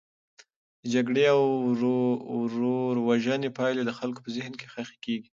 د جګړې او ورور وژنې پایلې د خلکو په ذهن کې خښي کیږي.